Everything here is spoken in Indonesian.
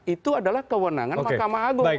itu adalah kewenangan mahkamah agung